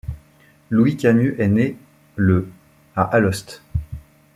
Louis Camu est né le à Alost.